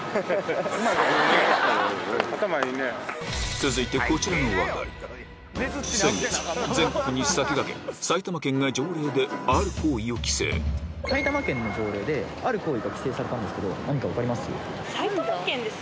続いて先月全国に先駆け埼玉県の条例である行為が規制されたんですけど何か分かります？